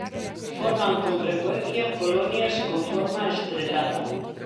Forman con frecuencia colonias con forma estrelada.